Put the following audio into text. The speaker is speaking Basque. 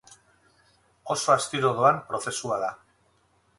Oso astiro doan prozesua da.